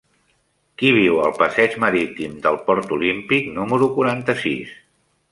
Qui viu al passeig Marítim del Port Olímpic número quaranta-sis?